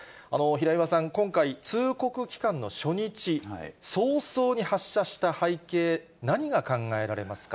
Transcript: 平岩さん、今回、通告期間の初日早々に発射した背景、何が考えられますか。